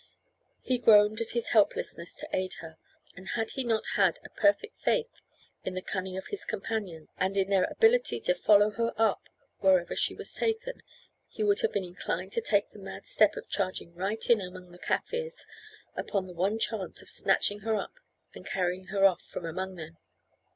He groaned at his helplessness to aid her, and had he not had a perfect faith in the cunning of his companions, and in their ability to follow her up wherever she was taken, he would have been inclined to take the mad step of charging right in among the Kaffirs, upon the one chance of snatching her up and carrying her off from among them.